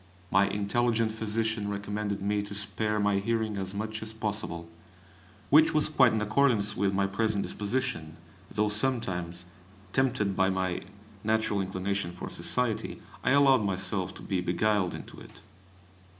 My intelligent physician recommended me to spare my hearing as much as possible, which was quite in accordance with my present disposition, though sometimes, tempted by my natural inclination for society, I allowed myself to be beguiled into it.